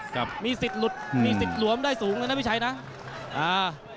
ครับมีสิทธิ์หลุดมีสิทธิ์หลวมได้สูงเลยนะพี่ชัยนะอ่า